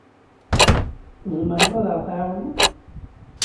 Tzemreḍ ad aɣ-tɛawneḍ?